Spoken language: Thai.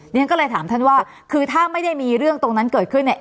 ฉันก็เลยถามท่านว่าคือถ้าไม่ได้มีเรื่องตรงนั้นเกิดขึ้นเนี่ย